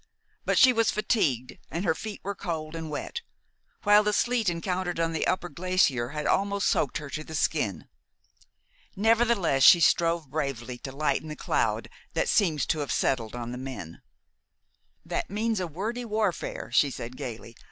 But she was fatigued, and her feet were cold and wet, while the sleet encountered on the upper glacier had almost soaked her to the skin. Nevertheless, she strove bravely to lighten the cloud that seemed to have settled on the men. "That means a wordy warfare," she said gayly.